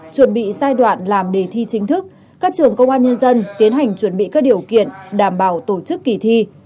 chuẩn bị giai đoạn làm đề thi chính thức các trường công an nhân dân tiến hành chuẩn bị các điều kiện đảm bảo tổ chức kỳ thi